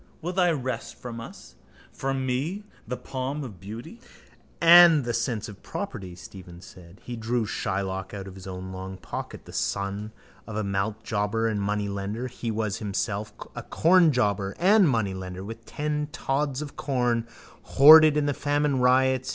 Will they wrest from us, from me, the palm of beauty? —And the sense of property, Stephen said. He drew Shylock out of his own long pocket. The son of a maltjobber and moneylender he was himself a cornjobber and moneylender, with ten tods of corn hoarded in the famine riots.